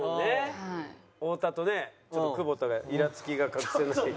太田とねちょっと久保田がいらつきが隠せないみたいです。